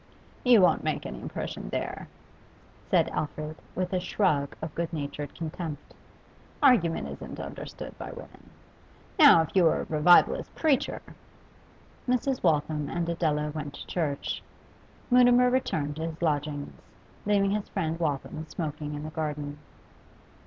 'You won't make any impression there,' said Alfred with a shrug of good natured contempt. 'Argument isn't understood by women. Now, if you were a revivalist preacher ' Mrs. Waltham and Adela went to church. Mutimer returned to his lodgings, leaving his friend Waltham smoking in the garden.